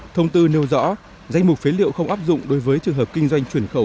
thông tư nêu rõ danh mục phế liệu không áp dụng đối với trường hợp kinh doanh chuyển khẩu